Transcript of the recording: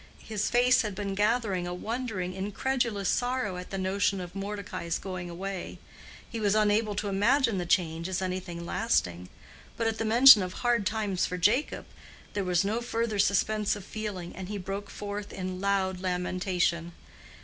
His face had been gathering a wondering incredulous sorrow at the notion of Mordecai's going away: he was unable to imagine the change as anything lasting; but at the mention of "hard times for Jacob" there was no further suspense of feeling, and he broke forth in loud lamentation.